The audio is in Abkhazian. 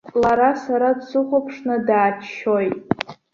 Лара сара дсыхәаԥшны дааччоит.